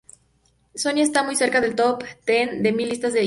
Sonia está muy cerca del top ten de mi lista de heroínas"".